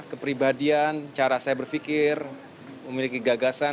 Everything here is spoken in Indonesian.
kepribadian cara saya berpikir memiliki gagasan